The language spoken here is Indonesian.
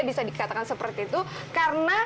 bisa dikatakan seperti itu karena